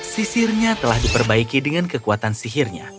sisirnya telah diperbaiki dengan kekuatan sihirnya